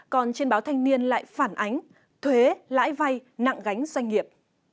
còn trên báo thanh niên lại phản ánh thuế lãi vay nặng gánh doanh nghiệp